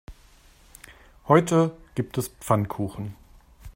Heute gibt es Pfannkuchen.